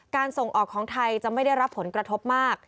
ส่งออกของไทยจะไม่ได้รับผลกระทบมาก